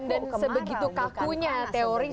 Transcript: dan sebegitu kakunya teoris